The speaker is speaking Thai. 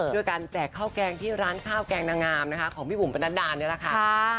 ด้วยการแจกข้าวแกงที่ร้านข้าวแกงนางงามนะคะของพี่บุ๋มประนัดดานี่แหละค่ะ